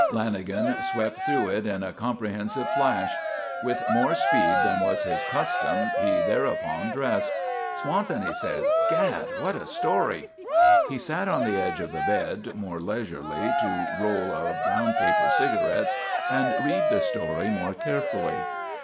Lanagan swept through it in a comprehensive flash. With more speed than was his custom he thereupon dressed. "Swanson!" he said. "Gad, what a story!" He sat on the edge of the bed, more leisurely to roll a brown paper cigarette and read the story more carefully.